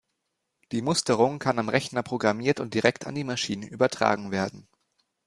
Die Musterung kann am Rechner programmiert und direkt an die Maschine übertragen werden.